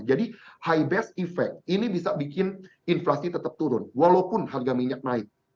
jadi high based effect ini bisa bikin inflasi tetap turun walaupun harga minyak naik